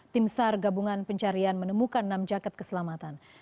tim sar gabungan pencarian menemukan enam jaket keselamatan